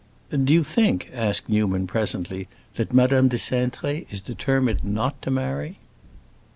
"Do you think," asked Newman presently, "that Madame de Cintré is determined not to marry?"